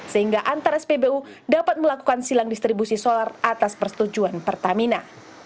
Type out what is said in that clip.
sehingga antar spbu dapat melakukan silang distribusi solar atas persetujuan pertamina